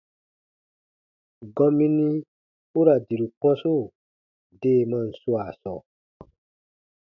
Gɔmini u ra diru kɔ̃su deemaan swaa sɔɔ,